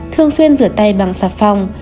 thường xuyên rửa tay bằng sạp phòng